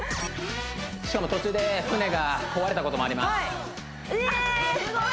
しかも途中で船が壊れたこともありますえーっ！